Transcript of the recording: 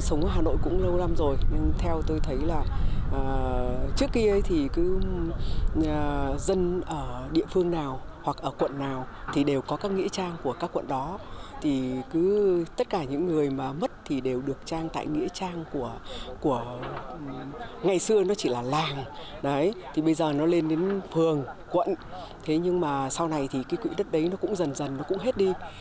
sau này thì cái quỹ đất đấy nó cũng dần dần nó cũng hết đi